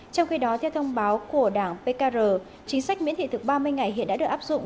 trong khi đó theo thông báo của đảng pkr chính sách miễn thị thực ba mươi ngày hiện đã được áp dụng